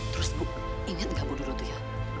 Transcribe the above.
terus bu inget gak bu dulu tuh ya